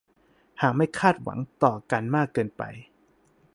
หากไม่คาดหวังต่อกันมากเกินไป